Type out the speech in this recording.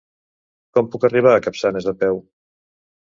Com puc arribar a Capçanes a peu?